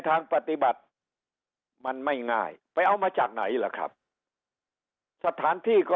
ทางปฏิบัติมันไม่ง่ายไปเอามาจากไหนล่ะครับสถานที่ก็